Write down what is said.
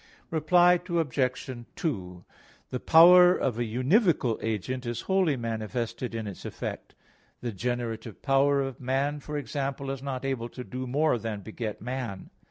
Reply Obj. 2: The power of a univocal agent is wholly manifested in its effect. The generative power of man, for example, is not able to do more than beget man.